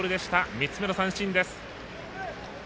３つ目の三振です。